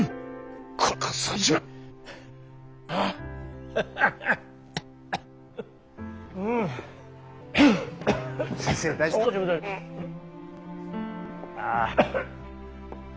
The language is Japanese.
ああ！